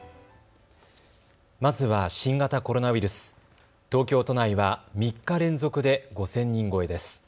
まずは新型コロナウイルス、東京都内は３日連続で５０００人超えです。